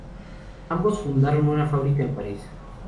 Ambos fundaron una fábrica en París.